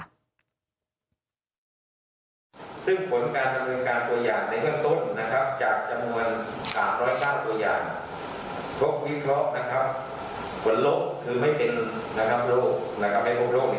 ซึ่งผลการทำงานตัวอย่างในเวิร์นต้นนะครับ